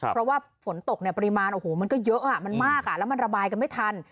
เพราะว่าผลตกปริมาณมันก็เยอะมันมากและมันระบายกันไม่ทัน